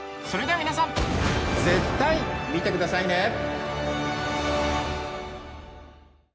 それでは皆さん絶対見てくださいね！